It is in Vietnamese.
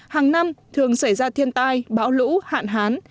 hàng năm thường xảy ra thiên tai bão lũ hạn hán